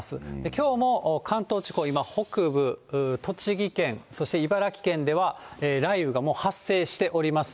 きょうも関東地方、今、北部、栃木県、そして茨城県では、雷雨がもう発生しております。